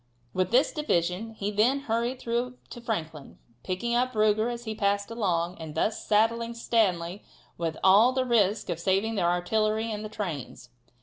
With this division he then hurried through to Franklin, picking up Ruger as he passed along, and thus saddling Stanley with all the risk of saving the artillery and the trains.